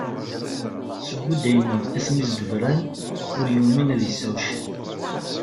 Seg udaynin asmi s-d-bran, ur yumin ad yesɛu ccan.